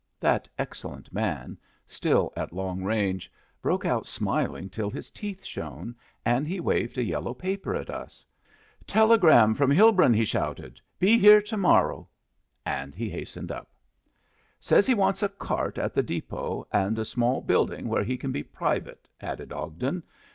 That excellent man, still at long range, broke out smiling till his teeth shone, and he waved a yellow paper at us. "Telegram from Hilbrun," he shouted; "be here to morrow"; and he hastened up. "Says he wants a cart at the depot, and a small building where he can be private," added Ogden.